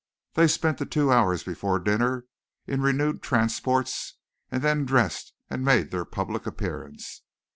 They spent the two hours before dinner in renewed transports and then dressed and made their public appearance.